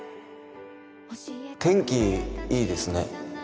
天気いいですね